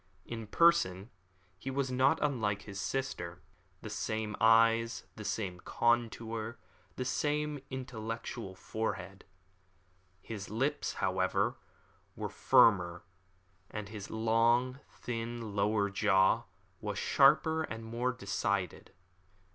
In person he was not unlike his sister. The same eyes, the same contour, the same intellectual forehead. His lips, however, were firmer, and his long, thin, lower jaw was sharper and more decided.